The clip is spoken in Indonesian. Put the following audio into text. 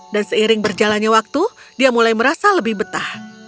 seiring berjalannya waktu dia mulai merasa lebih betah